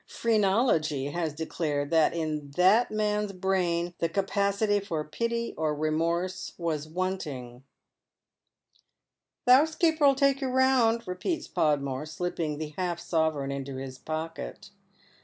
Phrenology has declared that in that man's brain the capacity for pity or remorse was wanting. " The 'ousekeeper '11 take you round," repeats Podmore, slipping the half sovereign into his pocket.